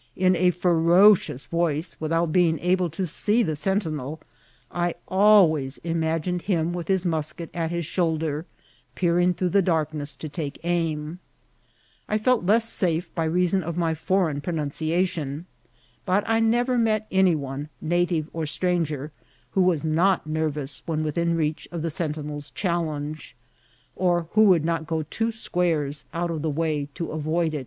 in a ferocious roice, without being able to see the sen* tineli I always imagined him with his musket at his shoulder^ peering through the darkness to take aiih, I felt less safe by reason of my foreign pronunciation ; but I never met any one^ native or stranger^ who was not nervous when within reach of the sentinePs chal lenge^ or who would not go two squares out of the way to avoid it.